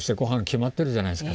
決まってるじゃないですか。